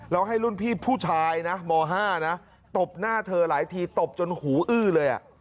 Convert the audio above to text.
แล้วให้รุ่นพี่ผู้ชายนะม๕นะตบหน้าเธอหลายทีตบจนหูอื้อเลย